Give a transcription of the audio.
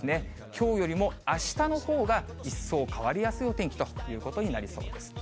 きょうよりもあしたのほうが、一層変わりやすいお天気ということになりそうです。